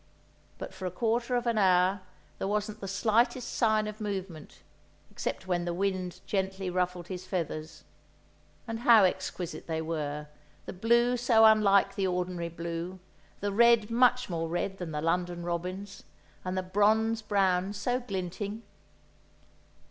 But for a quarter of an hour there wasn't the slightest sign of movement, except when the wind gently ruffled his feathers—and how exquisite they were, the blue so unlike the ordinary blue, the red much more red than the London robins, and the bronze brown so glinting.